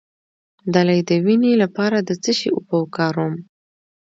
د لۍ د وینې لپاره د څه شي اوبه وکاروم؟